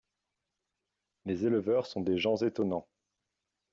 Les éleveurs sont des gens étonnants.